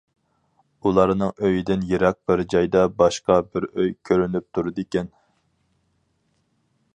ئۇلارنىڭ ئۆيىدىن يىراق بىر جايدا باشقا بىر ئۆي كۆرۈنۈپ تۇرىدىكەن.